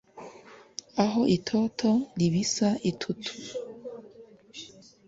aho itoto ribisa itutu